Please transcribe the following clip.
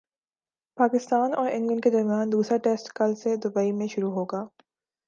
پاکستان اور انگلینڈ کے درمیان دوسرا ٹیسٹ کل سے دبئی میں شروع ہوگا